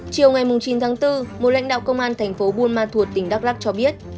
chiều ngày chín tháng bốn một lãnh đạo công an thành phố buôn ma thuột tỉnh đắk lắc cho biết